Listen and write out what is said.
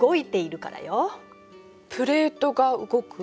プレートが動く？